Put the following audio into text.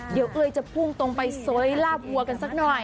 เดี๋ยวเอ้ยจะพุ่งตรงไปซ้อยลาบวัวกันสักหน่อย